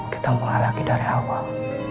kita mulai lagi dari awal